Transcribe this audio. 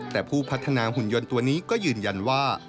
แต่ผู้พัฒนาหุ่นยนต์ตัวนี้ก็ยืนยันว่า